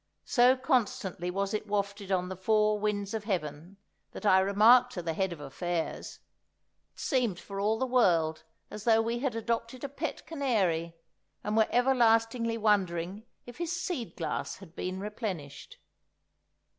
So constantly was it wafted on the four winds of heaven, that I remarked to the Head of Affairs: it seemed for all the world as though we had adopted a pet canary, and were everlastingly wondering if his seed glass had been replenished.